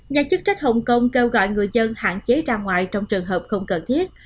nhà chức trách hồng kông kêu gọi người dân hạn chế ra ngoài trong trường hợp không cần thiết